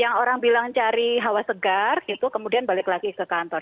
yang orang bilang cari hawa segar gitu kemudian balik lagi ke kantor